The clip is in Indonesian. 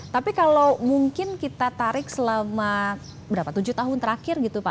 tapi kalau mungkin kita tarik selama berapa tujuh tahun terakhir gitu pak